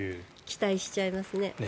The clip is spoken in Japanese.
期待しちゃいますね。